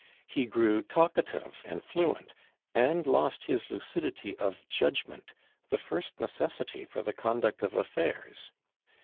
He grew talkative and fluent, and lost his lucidity of judgment, the first necessity for the conduct of affairs.